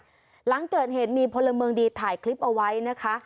หลังเกิดเหตุมีพลเมืองดีถ่ายคลิปเอาไว้นะคะ